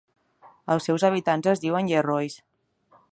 Els seus habitants es diuen "Yerrois".